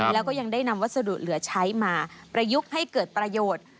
แล้วก็ยังได้นำวัสดุเหลือใช้มาประยุกต์ให้เกิดประโยชน์